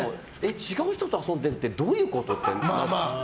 違う人と遊んでるってどういうことって。